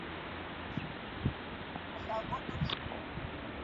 kuwapiga siasa waandishi wa habari kuhudhuria vyuo vya itikadi ya chama